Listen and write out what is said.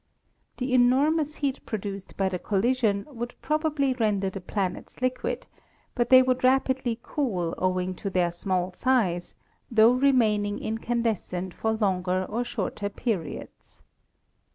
The enormous heat produced by the collision would probably render the planets liquid, but they would rapidly cool owing to their small size, tho remaining incandescent for longer or shorter periods.